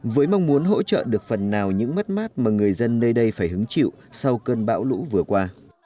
với mong muốn hỗ trợ được phần nào những mất mát mà người dân nơi đây phải hứng chịu sau cơn bão lũ vừa qua